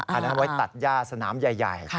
อันนั้นไว้ตัดย่าสนามใหญ่